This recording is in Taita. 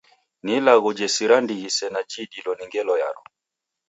Ni ilagho jesira ndighi sena jiidilo ni ngelo yaro.